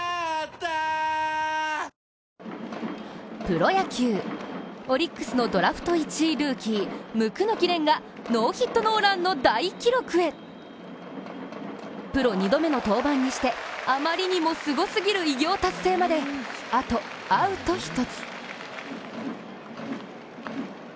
プロ野球、オリックスのドラフト１位ルーキー、プロ２度目の登板にして、あまりにもすごすぎる偉業達成まで、あとアウト１つ。